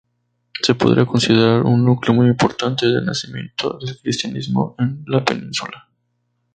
Se podría considerar un núcleo muy importante del nacimiento del cristianismo en la península.